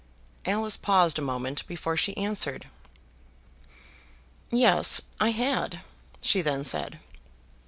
Alice paused a moment before she answered. "Yes, I had," she then said.